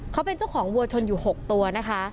เขาเป็นเจ้าของวัวชนอยู่๖ตัวนะคะ